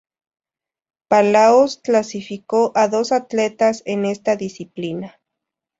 Palaos clasificó a dos atletas en esta disciplina.